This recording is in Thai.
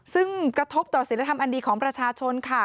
ซึ่งกระทบต่อศิลธรรมอันดีของประชาชนค่ะ